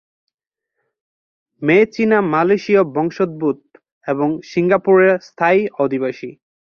মে চীনা মালয়েশীয় বংশোদ্ভূত এবং সিঙ্গাপুরের স্থায়ী অধিবাসী।